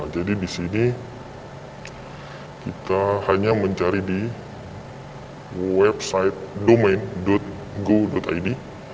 jadi di sini kita hanya mencari di website domain go id